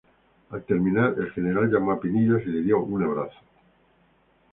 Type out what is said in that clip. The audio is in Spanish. Al terminar, el General llamó a Pinillos y le dio un abrazo.